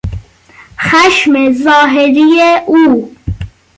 خشم ظاهری او